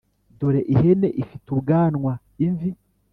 dore ihene ifite ubwanwa, imvi,